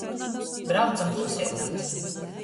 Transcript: Braucom kluseidamys.